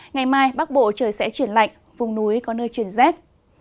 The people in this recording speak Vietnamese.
ngày mai bắc bộ trời sẽ chuyển lạnh vùng núi có nơi chuyển rét